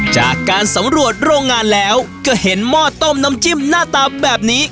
จากการสำรวจโรงงานแล้วก็เห็นหม้อต้มน้ำจิ้มหน้าตาแบบนี้